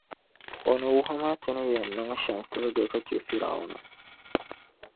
O ni wuhi ma ti ni yεn niŋ shεm tilgi ka chε Fir’auna.